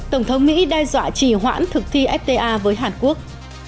tổng thống mỹ đe dọa chỉ hoãn thực thi fta với hàn quốc